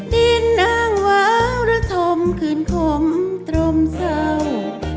ดินนางวาวรฐมคืนคงตรมเศร้า